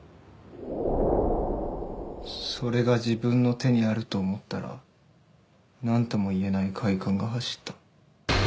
それが自分の手にあると思ったらなんとも言えない快感が走った。